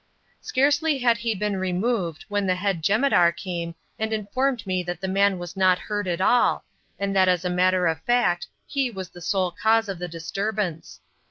Scarcely had he been removed, when the head jemadar came and informed me that the man was not hurt at all, and that as a matter of fact he was the sole cause of the disturbance.